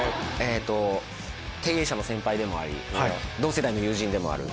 経営者の先輩でもあり同世代の友人でもある。